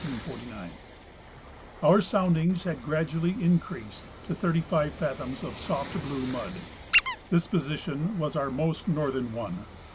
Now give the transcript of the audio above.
*''^* Our soundings had gradually increased to thirty five fathoms of soft blue mud. This position was our most northern one.